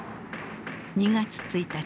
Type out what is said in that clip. ２月１日。